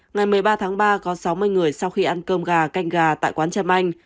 ngày một mươi ba tháng ba có sáu mươi người sau khi ăn cơm gà canh gà tại quán trâm anh